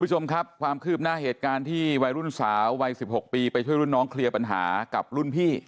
คุณผู้ชมครับความคืบหน้าเหตุการณ์ที่วัยรุ่นสาววัย๑๖ปีไปช่วยรุ่นน้องเคลียร์ปัญหากับรุ่นพี่